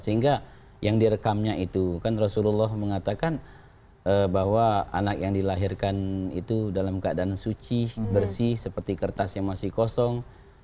sehingga yang direkamnya itu kan rasulullah mengatakan bahwa anak yang dilahirkan itu dalam keadaan suci bersih seperti kertas yang masih kosong